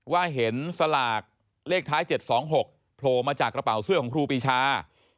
ว่าเห็นสลากเลขท้าย๗๒๖โผล่มาจากกระเป๋าเสื้อของครูปีชา